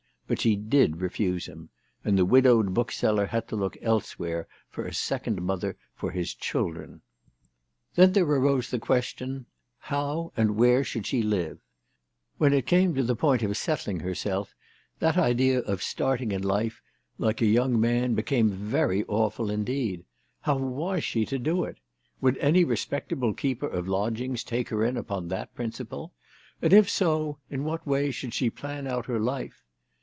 But she did refuse him ; and the widowed bookseller had to look elsewhere for a second mother for his children. Then there arose the question, how and where she should live ? When it came to the point of settling herself, that idea of starting in life like a young man THE TELEGRAPH GIRL. 269 became very awful indeed. How was she to do it ? "Would any respectable keeper of lodgings take her in upon that principle ? And if so, in what way should she plan out her life